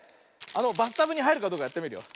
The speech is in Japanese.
あのバスタブにはいるかどうかやってみるよ。